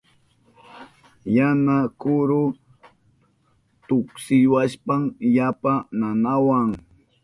Yana kuru tuksiwashpan yapa nanawahun.